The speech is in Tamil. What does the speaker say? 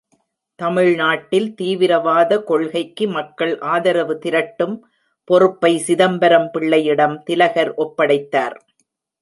தமிழ்நாட்டில் தீவிரவாத கொள்கைக்கு மக்கள் ஆதரவு திரட்டிடும் பொறுப்பை சிதம்பரம் பிள்ளையிடம் திலகர் ஒப்படைத்தார்.